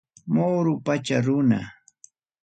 Moro pacha runa.